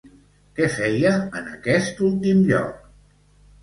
Què feia en aquest últim lloc?